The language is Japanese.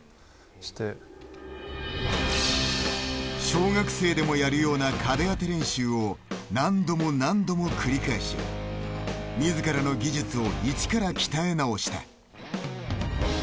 小学生でもやるような壁当て練習を何度も何度も繰り返し自らの技術を一から鍛え直した。